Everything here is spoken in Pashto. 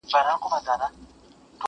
د ویده اولس تر کوره هنګامه له کومه راوړو.!